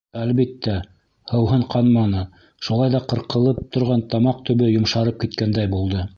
Әлбиттә, һыуһын ҡанманы, шулай ҙа ҡырҡылып торған тамаҡ төбө йомшарып киткәндәй булды.